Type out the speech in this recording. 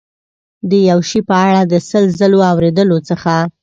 د یو شي په اړه د سل ځلو اورېدلو څخه.